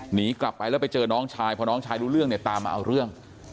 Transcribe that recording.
หนีกลับไปแล้วไปเจอน้องชายพอน้องชายรู้เรื่องเนี่ยตามมาเอาเรื่อง